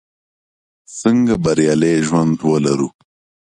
څنګه بریالی ژوند ولرو?